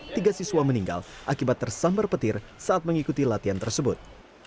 tiga siswa meninggal akibat tersambar petir saat mengikuti latihan tersebut